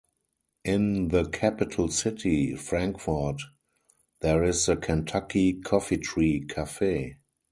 In the capital city, Frankfort, there is the Kentucky Coffeetree Cafe.